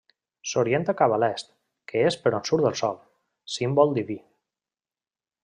S'orienta cap a l'est, que és per on surt el sol, símbol diví.